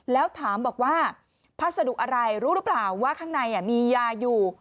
แล้วถามบอกว่าพัสดุอะไรรู้หรือเปล่าว่าข้างในมียาอยู่